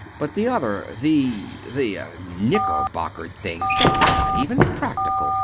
But the other the the knickerbocker things that's not even practical.